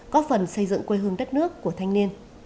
góp phần xây dựng quê hương đất nước của thanh niên